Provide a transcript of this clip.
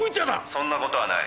そんなことはない。